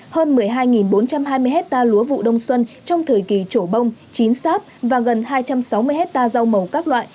hơn một mươi hai bốn trăm hai mươi hectare lúa vụ đông xuân trong thời kỳ trổ bông chín sáp và gần hai trăm sáu mươi hectare rau màu các loại